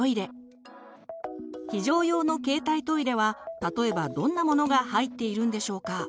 非常用の携帯トイレは例えばどんなものが入っているんでしょうか。